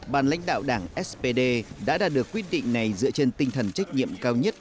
bàn lãnh đạo đảng spd đã đạt được quyết định này dựa trên tinh thần trách nhiệm cao nhất